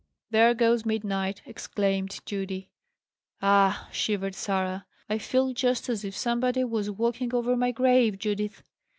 "There goes midnight!" exclaimed Judy. "Ugh!" shivered Sarah. "I feel just as if somebody was walking over my grave, Judith."